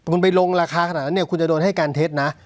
คุณไปลงราคาขนาดนั้นเนี่ยคุณจะโดนให้การเท็จนะ